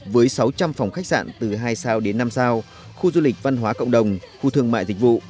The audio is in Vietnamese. với sáu trăm linh phòng khách sạn từ hai sao đến năm sao khu du lịch văn hóa cộng đồng khu thương mại dịch vụ